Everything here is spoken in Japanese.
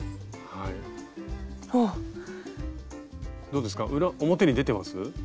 どうですか表に出てます？